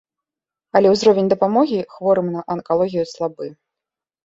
Але ўзровень дапамогі хворым на анкалогію слабы.